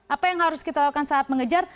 apa yang harus kita lakukan saat mengejar